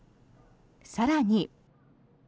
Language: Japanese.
更に。